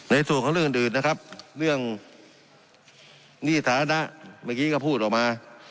ในส่วนของเรื่องอื่นนะครับเรื่องหนี้ฐานะเมื่อกี้ก็พูดออกมา